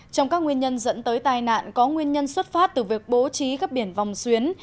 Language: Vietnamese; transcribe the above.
trong các nguyên nhân dẫn tới tai nạn có nguyên nhân xuất phát từ việc bố trí các biển vòng xuyến